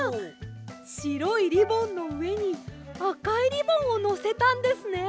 しろいリボンのうえにあかいリボンをのせたんですね。